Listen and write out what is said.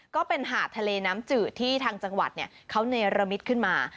ก็เป็นหาดทะเลน้ำจืดที่ทางจังหวัดเขาเนรมิตขึ้นมา